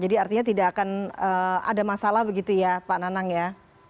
jadi artinya tidak akan ada masalah begitu ya pak nanang ya